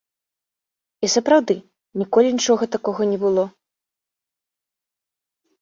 І сапраўды, ніколі нічога такога не было.